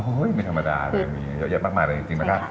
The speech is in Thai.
ไม่ธรรมดาเลยมีเยอะแยะมากเลยจริงนะครับ